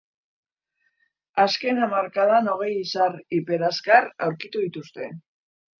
Azken hamarkadan hogei izar hiperazkar aurkitu dituzte.